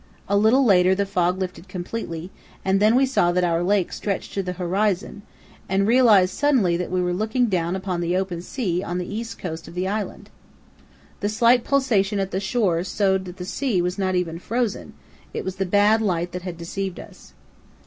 A little later the fog lifted completely, and then we saw that our lake stretched to the horizon, and realized suddenly that we were looking down upon the open sea on the east coast of the island. The slight pulsation at the shore showed that the sea was not even frozen; it was the bad light that had deceived us.